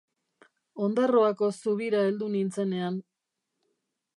Ondarroako zubira heldu nintzenean.